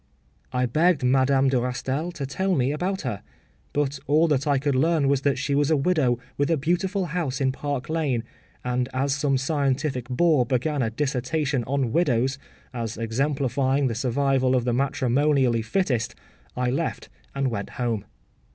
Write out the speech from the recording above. ” I begged Madame de Rastail to tell me about her; but all that I could learn was that she was a widow with a beautiful house in Park Lane, and as some scientific bore began a dissertation on widows, as exemplifying the survival of the matrimonially fittest, I left and went home.